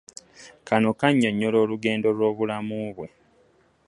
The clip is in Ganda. Kano kannyonnyola olugenda lw'obulamu bwe